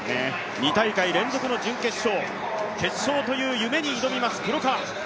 ２大会連続の準決勝、決勝という夢に挑みます、黒川。